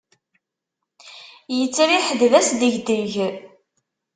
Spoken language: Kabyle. Yettriḥ-d d asdegdeg.